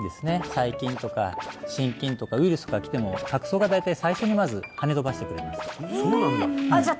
細菌とか真菌とかウイルスが来ても角層が大体最初にまずはね飛ばしてくれますそうなんだじゃあ